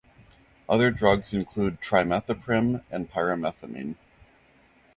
Other drugs include trimethoprim and pyrimethamine.